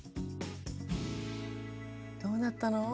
どうなったの？